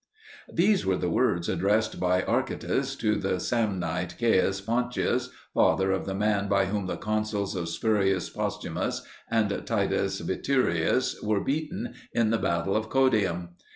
These were the words addressed by Archytas to the Samnite Caius Pontius, father of the man by whom the consuls Spurius Postumius and Titus Veturius were beaten in the battle of Caudium.